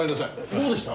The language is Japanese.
どうでした？